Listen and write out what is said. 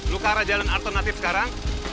lu ke arah jalan alternatif sekarang